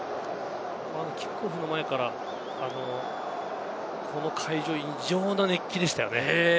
キックオフの前からこの会場、異常な熱気でしたね。